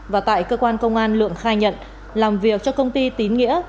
và tại cơ quan công an lượng khai nhận làm việc cho công ty tín nghĩa